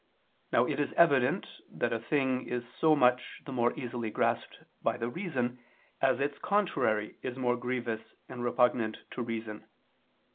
Now it is evident that a thing is so much the more easily grasped by the reason, as its contrary is more grievous and repugnant to reason.